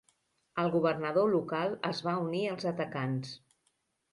El governador local es va unir als atacants.